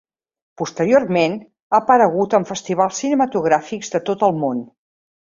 Posteriorment, ha aparegut en festivals cinematogràfics de tot el món.